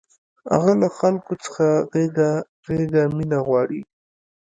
هغه له خلکو څخه غېږه غېږه مینه غواړي